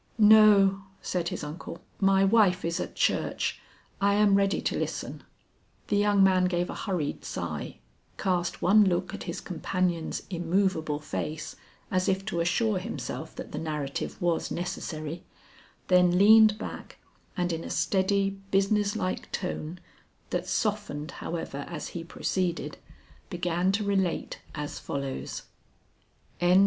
"No," said his uncle, "my wife is at church; I am ready to listen." The young man gave a hurried sigh, cast one look at his companion's immovable face, as if to assure himself that the narrative was necessary, then leaned back and in a steady business like tone that softened, however, as he proceeded, began to relate as follows: III.